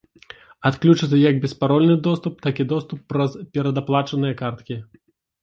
Адключыцца як беспарольны доступ, так і доступ праз перадаплачаныя карткі.